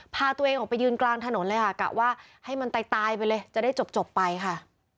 พาตัวเองออกไปยืนกลางถนนเลยค่ะกะว่าให้มันตายไปเลยจะได้จบไปค่ะ